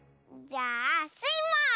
じゃあスイも！